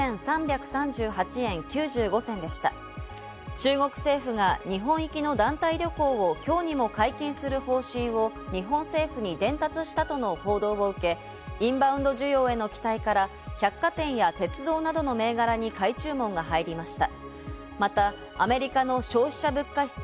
中国政府が日本行きの団体旅行をきょうにも解禁する方針を日本政府に伝達したとの報道を受け、インバウンド需要への期待から百貨店や鉄道などの銘柄に買い注文が入りました。